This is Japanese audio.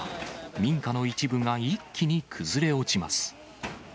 民家の一部が一気に崩れ落ちます。